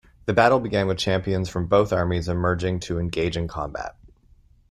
The battle began with champions from both armies emerging to engage in combat.